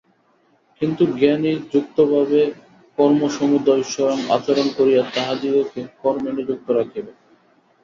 কিন্তু জ্ঞানী যুক্তভাবে কর্মসমুদয় স্বয়ং আচরণ করিয়া তাহাদিগকে কর্মে নিযুক্ত রাখিবেন।